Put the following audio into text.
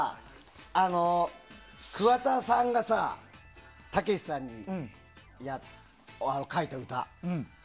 桑田さんがさたけしさんに書いた歌。